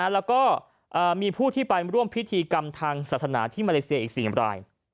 แล้วก็มีผู้ที่ไปร่วมพิธีกรรมทางศาสนาที่มาเลเซียอีก๔ราย